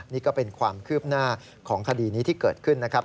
นี่ก็เป็นความคืบหน้าของคดีนี้ที่เกิดขึ้นนะครับ